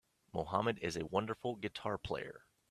Mohammed is a wonderful guitar player.